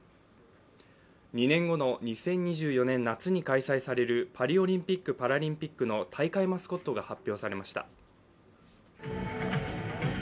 ２年後の２０２４年夏に開催されるパリオリンピック・パラリンピックの大会マスコットが発表されました。